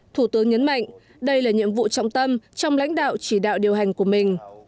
thủ tướng nhấn mạnh đây là nhiệm vụ trọng tâm trong lãnh đạo chỉ đạo điều hành của mình